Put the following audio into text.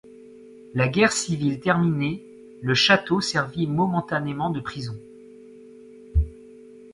La guerre civile terminée, le château servit momentanément de prison.